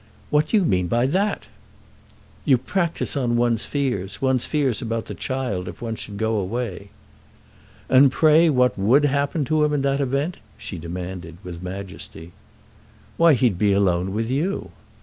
"What do you mean by that?" "You practise on one's fears—one's fears about the child if one should go away." "And pray what would happen to him in that event?" she demanded, with majesty. "Why he'd be alone with you."